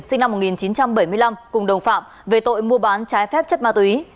sinh năm một nghìn chín trăm bảy mươi năm cùng đồng phạm về tội mua bán trái phép chất ma túy